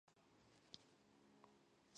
წყალი მეტად გამჭვირვალეა.